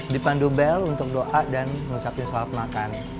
dipandu bel untuk doa dan mengucapkan salam penakan